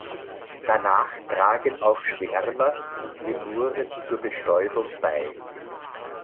Danach tragen auch Schwärmer und Lemuren zur Bestäubung bei.